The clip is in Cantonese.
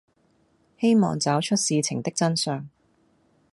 希望找出事情的真相